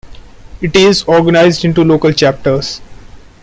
It is organized into local chapters.